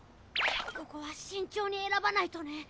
ここは慎重に選ばないとね。